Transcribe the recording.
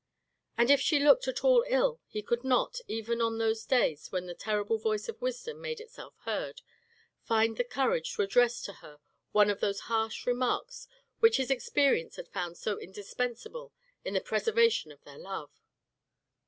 And if she looked at all ill, he could not, even on those days when the terrible voice of wisdom made itself heard, find the courage to address to her one of those harsh remarks which his experience had found so indispensable to the preservation of their love.